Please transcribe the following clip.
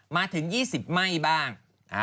มาถึง๒๐ไหม้บ้าง